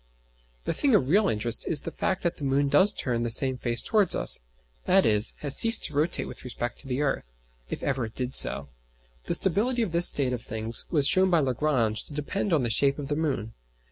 The thing of real interest is the fact that the moon does turn the same face towards us; i.e. has ceased to rotate with respect to the earth (if ever it did so). The stability of this state of things was shown by Lagrange to depend on the shape of the moon.